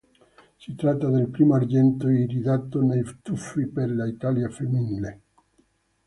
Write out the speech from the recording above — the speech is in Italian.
Si tratta del primo argento iridato nei tuffi per l'Italia femminile..